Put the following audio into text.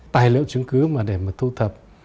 tài liệu chứng cứ mà để mà thu thập